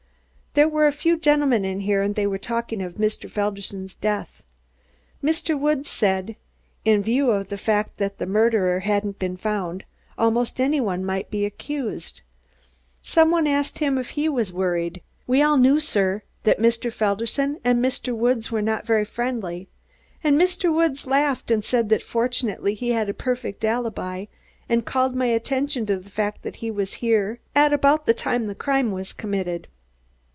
There were a few gentlemen in here and they were talking of Mr. Felderson's death. Mr. Woods said, in view of the fact that the murderer hadn't been found, almost any one might be accused. Some one asked him if he was worried we all knew, sir, that Mr. Felderson and Mr. Woods were not very friendly and Mr. Woods laughed and said that fortunately he had a perfect alibi and called my attention to the fact that he was in here at about the time the crime was committed."